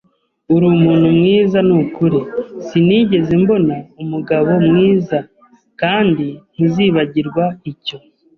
Uri umuntu mwiza nukuri; Sinigeze mbona umugabo mwiza! Kandi ntuzibagirwa icyo